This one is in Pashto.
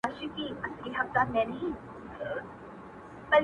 دا خواركۍ راپسي مه ږغـوه!!